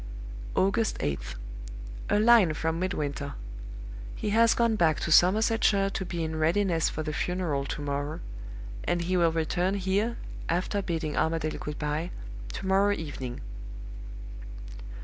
"August 8th. A line from Midwinter. He has gone back to Somersetshire to be in readiness for the funeral to morrow; and he will return here (after bidding Armadale good by) to morrow evening.